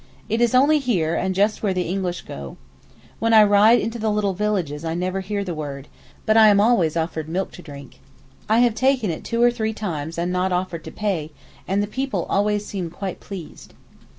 It is only here and just where the English go. When I ride into the little villages I never hear the word, but am always offered milk to drink. I have taken it two or three times and not offered to pay, and the people always seem quite pleased.